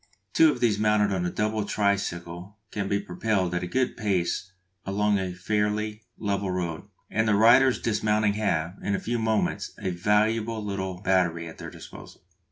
Two of these mounted on a double tricycle can be propelled at a good pace along a fairly level road, and the riders dismounting have, in a few moments, a valuable little battery at their disposal.